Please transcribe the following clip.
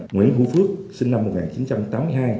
nguyễn hữu phước sinh năm một nghìn chín trăm tám mươi hai